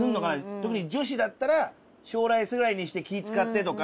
特に女子だったら小ライスぐらいにして気ぃ使ってとか。